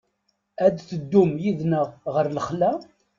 Ad teddum yid-neɣ ɣer lexla?